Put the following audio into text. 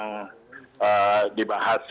jadi kita bisa lihat itu